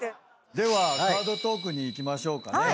ではカードトークにいきましょうかね。